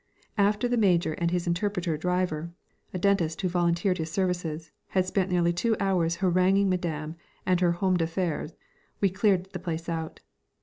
After the Major and his interpreter driver (a dentist who volunteered his services) had spent nearly two hours haranguing Madame and her homme d'affaires, we cleared the place out.